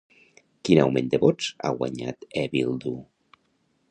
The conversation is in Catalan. Quin augment de vots ha guanyat Eh Bildu?